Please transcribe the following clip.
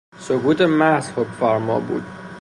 سکوت محض حکم فرما بود